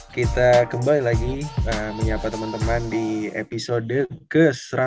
kita kembali lagi menyapa teman teman di episode ke satu ratus dua puluh tiga